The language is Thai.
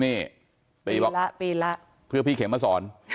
นี่ปีนแล้วปีนแล้วเพื่อพี่เขมมาสอน